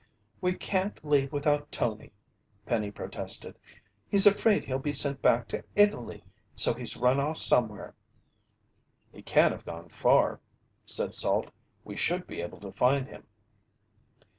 "We can't leave without Tony!" Penny protested. "He's afraid he'll be sent back to Italy, so he's run off somewhere!" "He can't have gone far," said Salt. "We should be able to find him."